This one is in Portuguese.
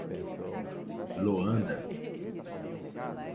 Loanda